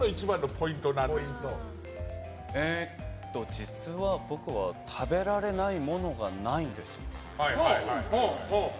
実は、僕は食べられないものがないんです。